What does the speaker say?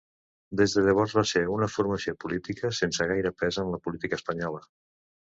Des de llavors va ser una formació política sense gaire pes en la política espanyola.